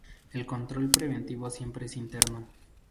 El control preventivo siempre es interno.